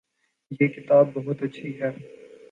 یہ کتاب بہت اچھی ہے